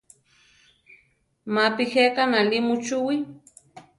Mapi jéka náli muchúwi.